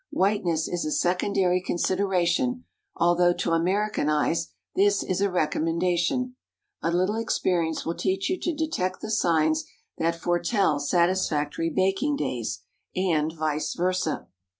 Whiteness is a secondary consideration, although, to American eyes, this is a recommendation. A little experience will teach you to detect the signs that foretell satisfactory baking days, and vice versâ.